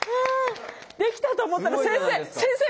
できたと思ったら先生